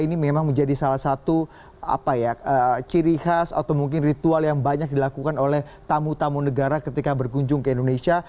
ini memang menjadi salah satu ciri khas atau mungkin ritual yang banyak dilakukan oleh tamu tamu negara ketika berkunjung ke indonesia